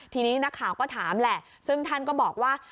ทีนี้นักข่าวก็ถามแหละซึ่งท่านก็บอกว่า